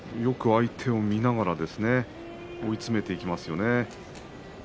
よく相手を見ながら追い詰めていきますよね。